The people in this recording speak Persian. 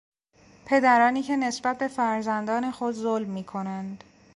پدرانی که نسبت به فرزندان خود ظلم میکنند